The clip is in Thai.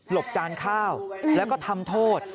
บจานข้าวแล้วก็ทำโทษ